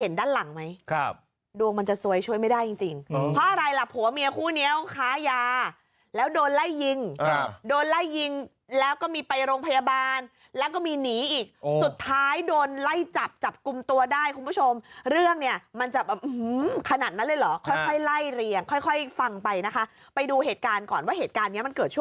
ด้านหลังไหมครับดวงมันจะซวยช่วยไม่ได้จริงจริงเพราะอะไรล่ะผัวเมียคู่นี้ต้องค้ายาแล้วโดนไล่ยิงครับโดนไล่ยิงแล้วก็มีไปโรงพยาบาลแล้วก็มีหนีอีกสุดท้ายโดนไล่จับจับกลุ่มตัวได้คุณผู้ชมเรื่องเนี่ยมันจะแบบขนาดนั้นเลยเหรอค่อยค่อยไล่เรียงค่อยค่อยฟังไปนะคะไปดูเหตุการณ์ก่อนว่าเหตุการณ์เนี้ยมันเกิดชั